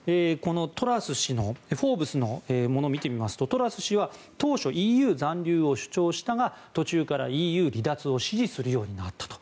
トラス氏の「フォーブス」のものを見てみますとトラス氏は当初ＥＵ残留を主張したが途中からＥＵ離脱を支持するようになったと。